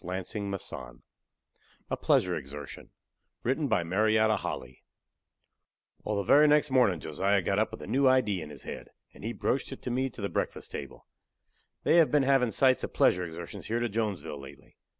MARIETTA HOLLEY A PLEASURE EXERTION Wal, the very next mornin' Josiah got up with a new idee in his head. And he broached it to me to the breakfast table. They have been havin' sights of pleasure exertions here to Jonesville lately.